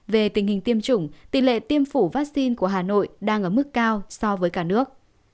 về tình hình tiêm chủng tỷ lệ tiêm chủng vaccine của hà nội đang ở mức cao so với cả nước